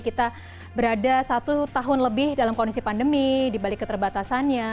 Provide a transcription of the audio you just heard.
kita berada satu tahun lebih dalam kondisi pandemi dibalik keterbatasannya